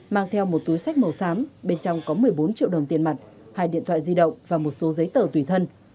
mang theo một túi sách màu xám bên trong có một mươi bốn triệu đồng tiền mặt hai điện thoại di động và một số giấy tờ tùy thân